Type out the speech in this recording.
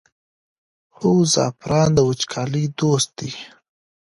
خو زعفران د وچکالۍ دوست دی.